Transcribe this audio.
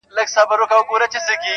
• زه به په هغه ورځ -